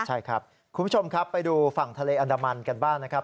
ใช่ครับคุณผู้ชมครับไปดูฝั่งทะเลอันดามันกันบ้างนะครับ